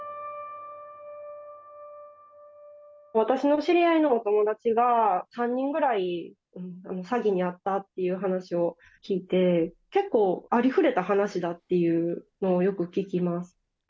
私の知り合いのお友達が、３人ぐらい詐欺に遭ったっていう話を聞いて、結構、ありふれた話だっていうのをよく聞きます。